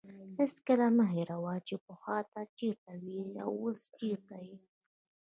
هېڅکله مه هېروه چې پخوا ته چیرته وې او اوس چیرته یې.